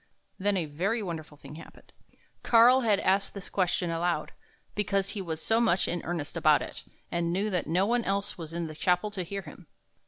Then a very wonderful thing happened. Karl had asked this question aloud, because he was so much in earnest about it, and knew that no one else was in the chapel to hear him.